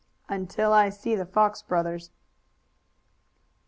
"Until I see the Fox brothers."